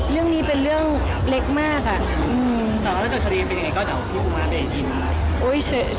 เรื่องนี้เป็นเรื่องเล็กมากอ่ะ